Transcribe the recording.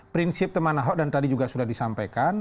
prinsip teman ahok dan tadi juga sudah disampaikan